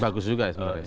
bagus juga ya sebenarnya